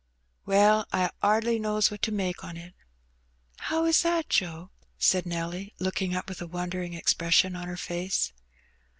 "Well, I 'ardly knows what to make on it." "How is that, Joe?" said Nelly, looking up with a won dering expression on her face.